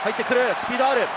スピードがある。